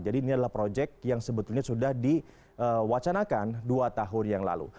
jadi ini adalah proyek yang sebetulnya sudah diwacanakan dua tahun yang lalu